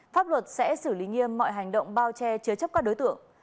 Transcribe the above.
pháp luật sẽ xử lý nghiêm mọi hành động bao che chứa chấp các đối tượng